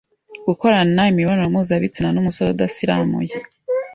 gukorana imibonano mpuzabitsina n’umusore udasiramuye